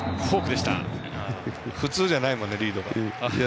普通じゃないからね、リードが。